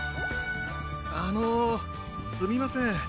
あのすみません